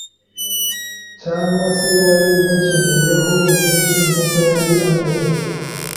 cyangwa se wari ukimukeneyeho byinshi nkuko nari meze